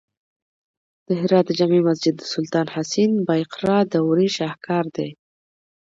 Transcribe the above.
د هرات د جمعې مسجد د سلطان حسین بایقرا دورې شاهکار دی